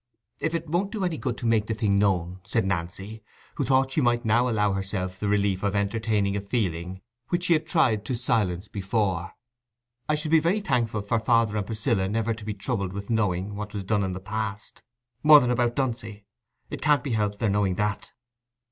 "If it won't do any good to make the thing known," said Nancy, who thought she might now allow herself the relief of entertaining a feeling which she had tried to silence before, "I should be very thankful for father and Priscilla never to be troubled with knowing what was done in the past, more than about Dunsey: it can't be helped, their knowing that."